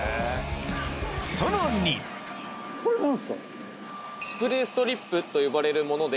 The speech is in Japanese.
さらにこれ何すか？